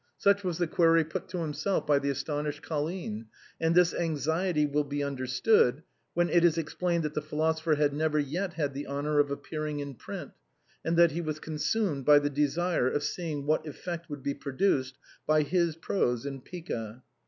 Such was the query put to himself by the astonished Col line, and this anxiety will be understood when it is ex plained that the philosopher had never yet had the honor of appearing in print, and that he was consumed by the desire of seeing what effect would be produced by his prose in pica.